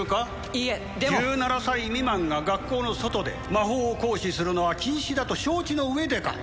いえでも１７歳未満が学校の外で魔法を行使するのは禁止だと承知の上でか？